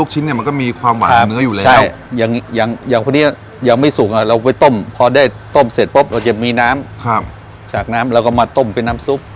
จากน้ำจากน้ำเราก็มาต้มเป็นน้ำซุป